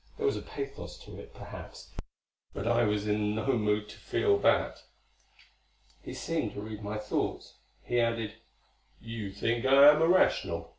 There was a pathos to it, perhaps, but I was in no mood to feel that. He seemed to read my thoughts. He added, "You think I am irrational.